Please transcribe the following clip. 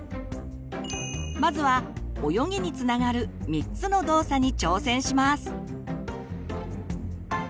まずは泳ぎにつながる３つの動作に挑戦します。